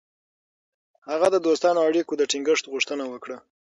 هغه د دوستانه اړیکو د ټینګښت غوښتنه وکړه.